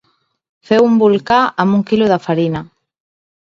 Feu un volcà amb un quilo de farina.